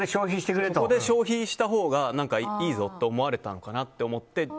ここで消費したほうがいいぞと思われたのかなと思って。